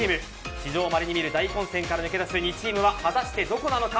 史上まれに見る大混戦から抜け出す２チームは果たしてどこなのか。